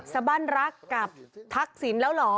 สบั้นรักกับทักษิณแล้วเหรอ